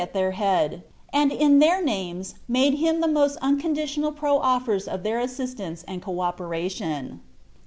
29 at their head, and in their names made him the moat unconditional prof fers of their assistance and co operation.